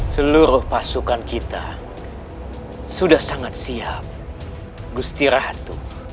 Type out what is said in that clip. seluruh pasukan kita sudah sangat siap gusti ratu